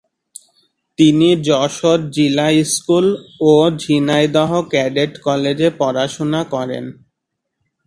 তিনি যশোর জিলা স্কুল ও ঝিনাইদহ ক্যাডেট কলেজে পড়াশোনা করেন।